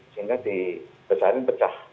sehingga dibesarin pecah